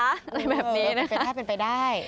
อะไรแบบนี้นะคะเป็นแค่เป็นไปได้